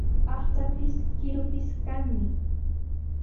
Aqchaapis, kiruupis kanmi.